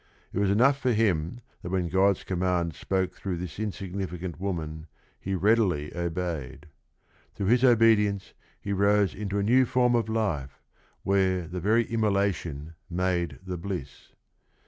It was enough for him that when God's command spoke through this in significant woman he readily obeyed. Through his obedience he rose into a new form of life, where "the very immolation made the bliss."